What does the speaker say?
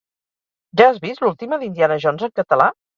Ja has vist l'última d'Indiana Jones en català?